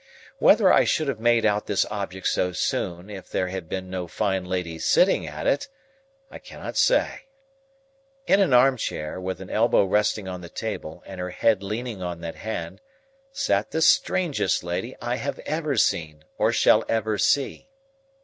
Whether I should have made out this object so soon if there had been no fine lady sitting at it, I cannot say. In an arm chair, with an elbow resting on the table and her head leaning on that hand, sat the strangest lady I have ever seen, or shall ever see.